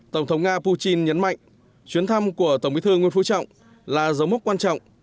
tổng thống nga putin nhấn mạnh chuyến thăm của tổng bí thư nguyễn phú trọng là dấu mốc quan trọng